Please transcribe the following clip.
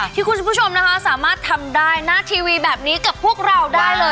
ที่คุณผู้ชมนะคะสามารถทำได้หน้าทีวีแบบนี้กับพวกเราได้เลย